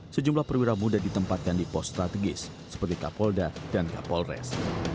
sejumlah perwira muda ditempatkan di pos strategis seperti kapolda dan kapolres